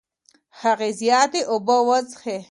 هغې زياتې اوبه څښې.